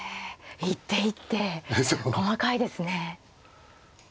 一手一手細かいですね。